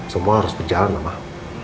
semua harus berjalan pak